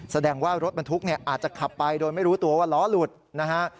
แสดงว่ารถบรรทุกเนี่ยอาจจะขับไปโดยไม่รู้ตัวว่าล้อหลุดนะฮะ